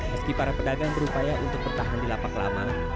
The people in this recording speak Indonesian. meski para pedagang berupaya untuk pertahanan di lapak lama